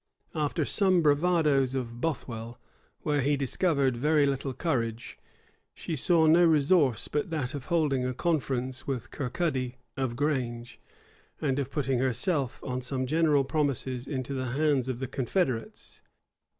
[*] After some bravadoes of Bothwell, where he discovered very little courage, she saw no resource but that of holding a conference with Kirkaldy of Grange, and of putting herself, upon some general promises, into the hands of the confederates.